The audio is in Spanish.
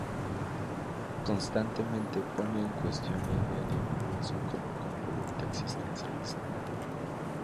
Constantemente pone en cuestión la idea de progreso con un componente existencialista.